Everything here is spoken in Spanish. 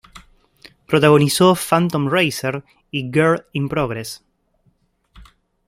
Protagonizó "Phantom Racer" "y Girl in Progress".